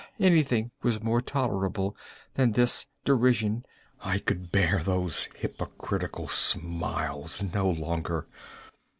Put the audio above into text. Anything was more tolerable than this derision! I could bear those hypocritical smiles no longer!